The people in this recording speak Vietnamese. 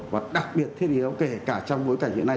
và đặc biệt thiết yếu kể cả trong bối cảnh hiện nay